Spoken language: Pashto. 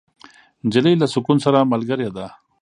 نجلۍ له سکون سره ملګرې ده.